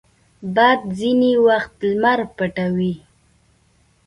باد ځینې وخت لمر پټوي